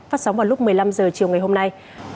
phát sóng vào lúc một mươi năm h chiều ngày hôm nay